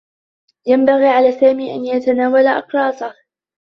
ينبغي على سامي أن يتناول أقراصه.